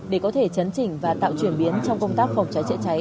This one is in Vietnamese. để có thể chấn chỉnh và tạo chuyển biến trong công tác phòng cháy chữa cháy